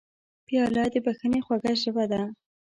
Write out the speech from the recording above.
پیاله د بښنې خوږه ژبه ده.